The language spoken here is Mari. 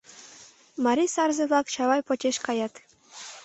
Марий сарзе-влак Чавай почеш каят.